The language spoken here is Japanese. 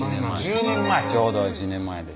１０年前ちょうど１０年前です